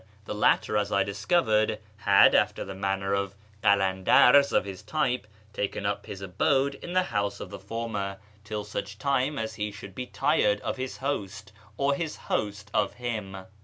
The latter, as I discovered, had, after the manner of halanclars of his type, taken up his abode in the house of the former, till such time as he should be tu ed of his host, or his host of him.